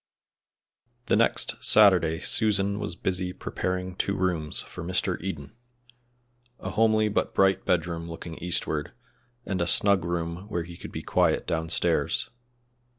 THE next Saturday Susan was busy preparing two rooms for Mr. Eden a homely but bright bedroom looking eastward, and a snug room where he could be quiet downstairs.